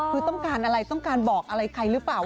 คือต้องการอะไรต้องการบอกอะไรใครหรือเปล่า